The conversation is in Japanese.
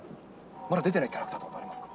まだ出てないキャラクターとかありますか。